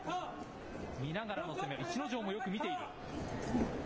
見ながらの攻め、逸ノ城もよく見ている。